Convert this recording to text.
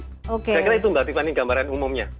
saya kira itu mbak tiffan ini gambaran umumnya